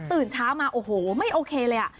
ตื่นเช้ามาโอ้โหไม่โอเคเลยอ่ะ